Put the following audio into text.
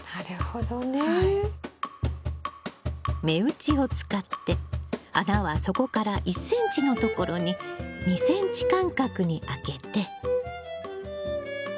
目打ちを使って穴は底から１ｃｍのところに２ｃｍ間隔に開けて。